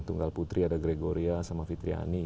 tunggal putri ada gregoria sama fitriani